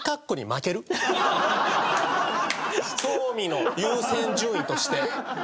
興味の優先順位として。